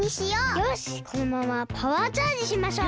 よしこのままパワーチャージしましょう！